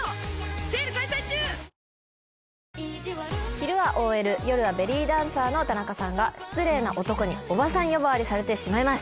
昼はＯＬ夜はベリーダンサーの田中さんが失礼な男におばさん呼ばわりされてしまいます。